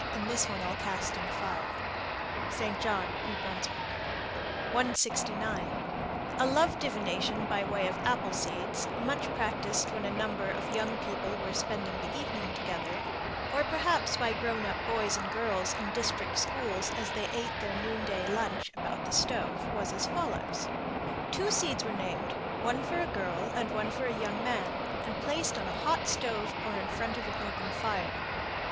And this one I'll cast in the fire. St. John, N.B. 169. A love divination by way of apple seeds, much practiced when a number of young people were spending the evening together, or perhaps by grown up boys and girls in district schools as they ate their noon day lunch about the stove, was as follows: Two seeds were named, one for a girl and one for a young man, and placed on a hot stove or in front of an open fire.